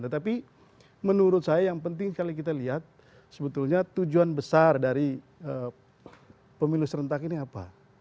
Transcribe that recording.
tetapi menurut saya yang penting sekali kita lihat sebetulnya tujuan besar dari pemilu serentak ini apa